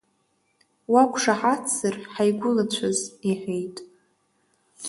Уақәшаҳаҭзар, ҳаигәылацәаз, – иҳәеит.